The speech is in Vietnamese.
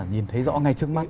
nhìn thấy rõ ngay trước mắt